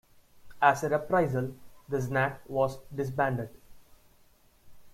As a reprisal the Znak was disbanded.